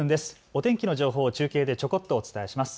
お天気の情報を中継でちょこっとお伝えします。